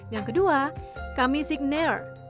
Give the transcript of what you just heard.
yang kedua kami signer